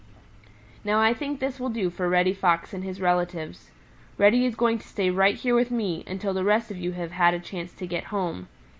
"Now I think this will do for Reddy Fox and his relatives. Reddy is going to stay right here with me, until the rest of you have had a chance to get home.